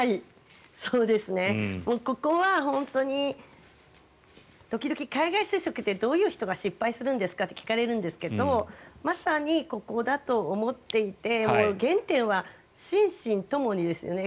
ここは本当に時々、海外就職ってどういう人が失敗するんですか？って聞かれるんですがまさにここだと思っていて原点は心身ともにですよね。